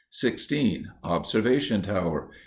OBSERVATION TOWER.